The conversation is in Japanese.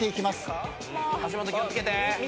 足元気を付けて。